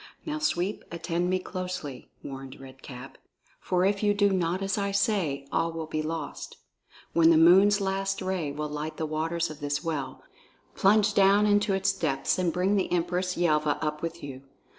"Now, Sweep, attend me closely," warned Red Cap, "for if you do not as I say, all will be lost. When the moon's last ray will light the waters of this well, plunge down into its depths and bring the Empress Yelva up with you.